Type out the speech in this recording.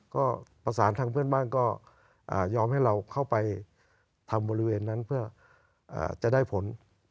ก็ประสานทางเพื่อนบ้านก็ยอมให้เราเข้าไปทำบริเวณนั้นเพื่อจะได้ผล